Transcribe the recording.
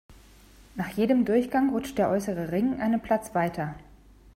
Nach jedem Durchgang rutscht der äußere Ring einen Platz weiter.